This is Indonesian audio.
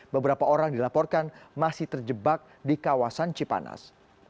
beberapa orang dilaporkan masih terjebak di kawasan cipanas